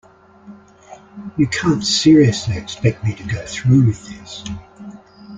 You can't seriously expect me to go through with this?